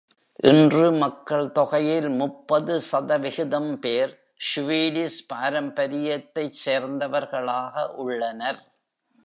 இன்று, மக்கள் தொகையில் முப்பது சதவிகிதம் பேர் Swedish பாரம்பரியத்தைச் சேர்ந்தவர்களாக உள்ளனர்.